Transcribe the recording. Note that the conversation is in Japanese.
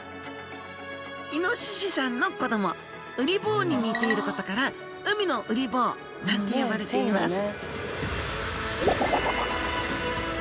イノシシさんの子ども「うりぼう」に似ていることから「海のうりぼう」なんて呼ばれています